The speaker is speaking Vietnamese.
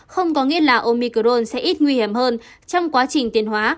không có nghĩa là omicron sẽ ít nguy hiểm hơn trong quá trình tiền hóa